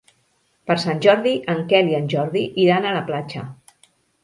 Per Sant Jordi en Quel i en Jordi iran a la platja.